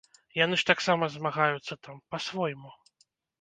Яны ж таксама змагаюцца там, па-свойму.